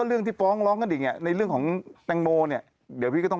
โอ้โหไม่ต้องไม่ต้องไม่ต้อง